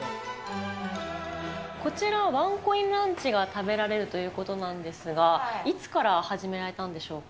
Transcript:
こちらワンコインランチが食べられるということなんですが、いつから始められたんでしょうか。